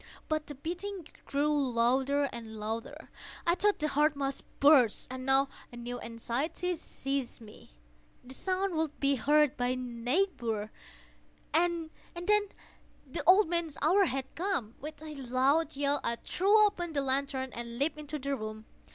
But the beating grew louder, louder! I thought the heart must burst. And now a new anxiety seized me—the sound would be heard by a neighbour! The old man's hour had come! With a loud yell, I threw open the lantern and leaped into the room.